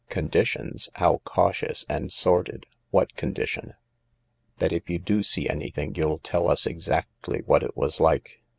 " Conditions ? How cautious and sordid ! What con dition ?"" That if you do see anything you'll tell us exactly what it was like.